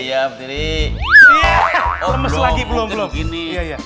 iya lemes lagi belum belum